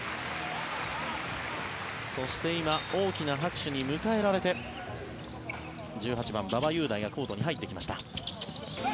そして今大きな拍手に迎えられて１８番、馬場雄大がコートに入ってきました。